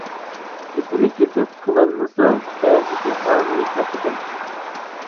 گېپىنى تېپىپ قىلالمىسا بەزىدە ئانىي تاپىدۇ.